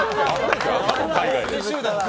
海外で。